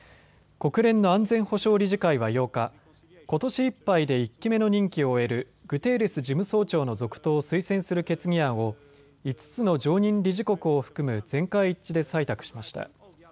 国連の安全保障理事会は８日、ことしいっぱいで１期目の任期を終えるグテーレス事務総長の続投を推薦する決議案を５つの常任理事国を含む全会一致で採択しました。